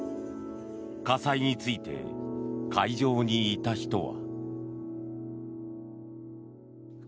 火災について会場にいた人は。